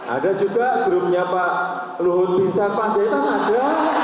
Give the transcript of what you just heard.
ada juga grupnya pak luhut bin sarpanjaitan ada